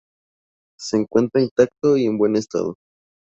Se encuentra intacto y en buen estado.